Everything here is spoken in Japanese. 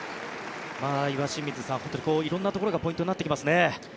岩清水さん、色んなところがポイントになってきますね。